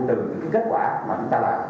từ những kết quả mà chúng ta làm